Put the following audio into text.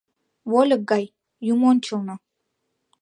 Волььык гай, юмончылно!